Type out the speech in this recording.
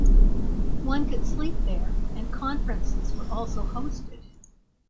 One could sleep there and conferences were also hosted.